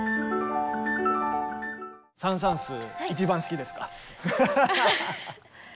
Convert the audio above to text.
サン・サーンス一番好きですか？